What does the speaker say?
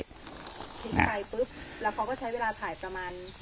ทิ้งไปปุ๊บแล้วเขาก็ใช้เวลาถ่ายประมาณ